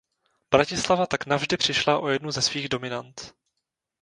Bratislava tak navždy přišla o jednu ze svých dominant.